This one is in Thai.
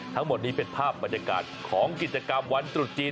ทั้งหมดนี้เป็นภาพบรรยากาศของกิจกรรมวันตรุษจีน